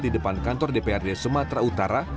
di depan kantor dprd sumatera utara